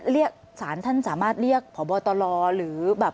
สารท่านสามารถเรียกพบตรหรือแบบ